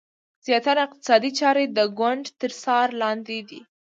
زیاتره اقتصادي چارې د ګوند تر څار لاندې دي.